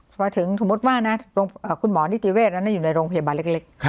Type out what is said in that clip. พอถึงสมมุติว่านะคุณหมอนิติเวศนั้นอยู่ในโรงพยาบาลเล็ก